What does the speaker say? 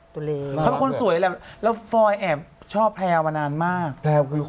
ตัวเล้งเนี่ยตัวเล้งนี่มันชอบแพวแพวค่ะอุ้ยใช่ไอ้แพวเหรอ